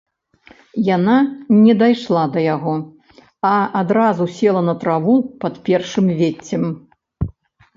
Яна не дайшла да яго, а адразу села на траву пад першым веццем.